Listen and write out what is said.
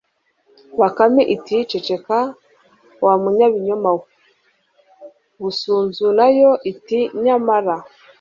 bakame iti ceceka wa munyabinyoma we! busunzu na yo iti nyamara